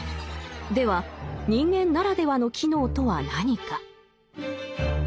では人間ならではの機能とは何か？